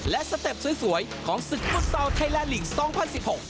และสเต็ปสวยของศึกฟุตต่อไทยและลิงค์๒๐๑๖